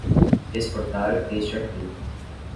Exportar este arquivo.